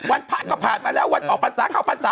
วันพันก็ผ่านมาแล้ววันออกพันษาเข้าพันษา